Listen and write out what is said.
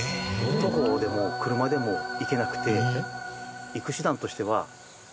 徒歩でも車でも行けなくて。